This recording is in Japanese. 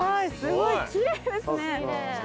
すごい奇麗ですね。